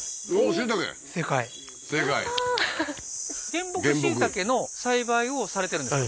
原木椎茸の栽培をされてるんですか？